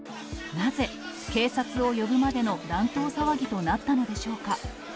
なぜ、警察を呼ぶまでの乱闘騒ぎとなったのでしょうか。